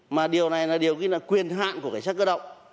mà điều này là điều quyền hạn của cảnh sát cơ động